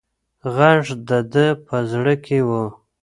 غږ د ده په زړه کې و.